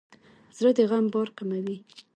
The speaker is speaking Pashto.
زړه د غم بار کموي.